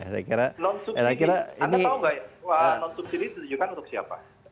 non subsidi anda tahu nggak ya wah non subsidi itu juga untuk siapa